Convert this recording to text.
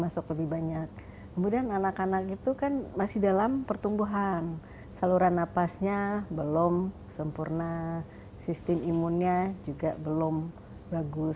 masuk lebih banyak kemudian anak anak itu kan masih dalam pertumbuhan saluran napasnya belum sempurna sistem imunnya juga belum bagus